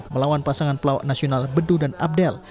melawan pasangan pelawak nasional bedu dan abdel